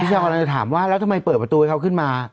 ชาวกำลังจะถามว่าแล้วทำไมเปิดประตูให้เขาขึ้นมา